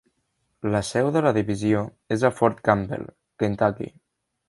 La seu de la divisió és a Fort Campbell, Kentucky.